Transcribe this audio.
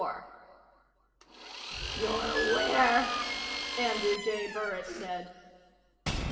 4 "You're where?" Andrew J. Burris said.